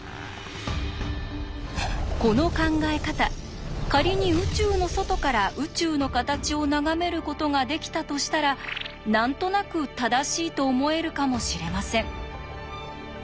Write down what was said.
この考え方仮に宇宙の外から宇宙の形を眺めることができたとしたら何となく正しいと思えるかもしれません。